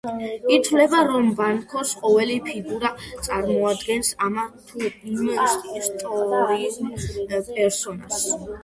ითვლება, რომ ბანქოს ყოველი ფიგურა წარმოადგენს ამა თუ იმ ისტორიულ პერსონაჟს.